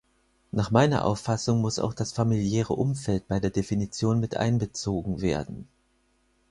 Nach meiner Auffassung muss auch das familiäre Umfeld bei der Definition mit einbezogen werden.